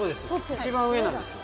一番上なんですよ。